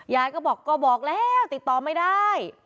ยายก็บอกก็บอกแล้วติดต่อไม่ได้